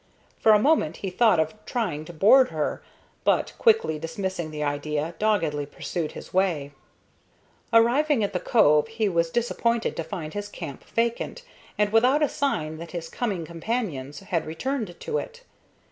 For a moment he thought of trying to board her, but, quickly dismissing the idea, doggedly pursued his way. Arrived at the cove, he was disappointed to find his camp vacant and without a sign that his coming companions had returned to it.